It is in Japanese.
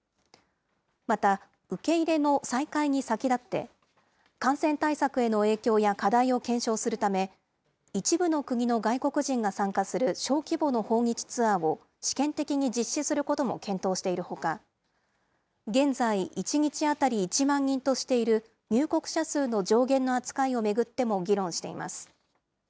また受け入れの再開に先立って、感染対策への影響や課題を検証するため、一部の国の外国人が参加する小規模の訪日ツアーを試験的に実施することも検討しているほか、現在、１日当たり１万人としている入国者数の上限の扱いを巡っても議論しています。